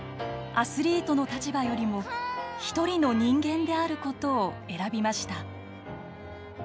アスリートの立場よりも１人の人間であることを選びました。